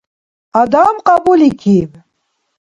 Адам кьабуликиб.